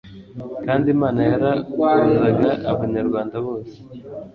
kandi imana yarahuzaga abanyarwanda bose